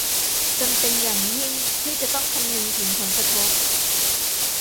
จำเป็นอย่างยิ่งที่จะต้องคำนึงถึงผลกระทบ